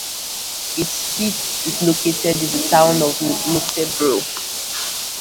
Its seat is located in the town of Nossebro.